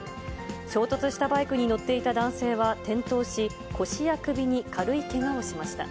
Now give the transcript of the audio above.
衝突したバイクに乗っていた男性は、転倒し、腰や首に軽いけがをしました。